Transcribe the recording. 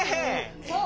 そう。